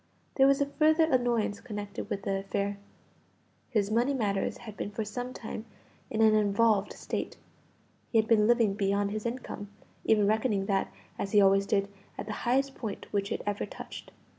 There was a further annoyance connected with the affair. His money matters had been for some time in an involved state; he had been living beyond his income, even reckoning that, as he always did, at the highest point which it ever touched.